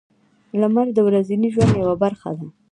• لمر د ورځني ژوند یوه برخه ده.